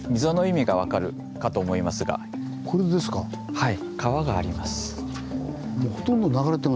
はい。